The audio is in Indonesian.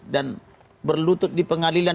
dan berlutut di pengadilan